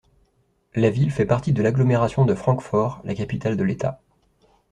La ville fait partie de l’agglomération de Frankfort, la capitale de l’État.